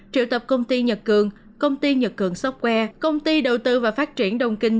triệu tập công ty nhật cường công ty nhật cường software công ty đầu tư và phát triển đồng kinh